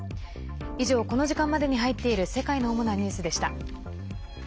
以上、この時間までに入っている世界の主なニュースでした。